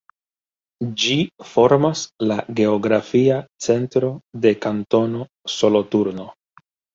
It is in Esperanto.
Ĝi formas la geografia centro de Kantono Soloturno.